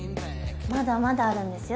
まだまだあるんですよ